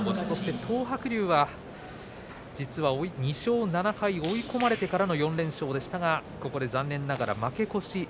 そして東白龍は２勝７敗、追い込まれてからの４連勝でしたが、ここで残念ながら負け越し